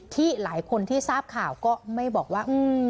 ที่หลายคนที่ทราบข่าวก็ไม่บอกว่า